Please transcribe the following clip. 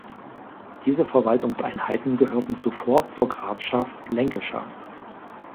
Diese Verwaltungseinheiten gehörten zuvor zur Grafschaft Lancashire.